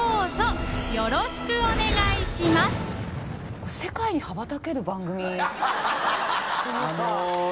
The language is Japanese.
これ世界に羽ばたける番組ハハハ